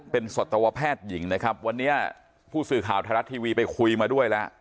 เป็นสัตวแพทย์หญิงนะครับวันนี้ผู้สื่อข่าวไทยรัฐทีวีไปคุยมาด้วยแล้ว